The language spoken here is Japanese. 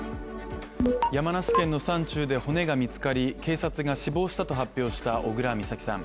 山梨県の山中で骨が見つかり、警察が死亡したと発表した小倉美咲さん